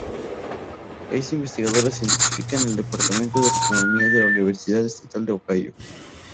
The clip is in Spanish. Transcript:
Es investigadora científica en el Departamento de Astronomía de la Universidad Estatal de Ohio.